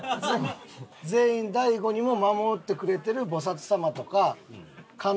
全員大悟にも守ってくれてる菩様とか観音様とか。